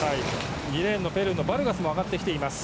２レーンのペルーのバルガスも上がってきています。